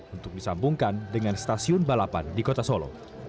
untuk disambungkan dengan stasiun balapan di kota solo